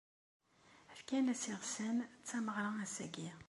Fkan-as iɣsan, d tameɣra ass-agi.